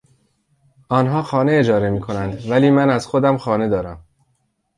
آنها خانه اجاره میکنند ولی من از خودم خانه دارم.